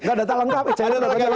ada data lengkap ada data lengkap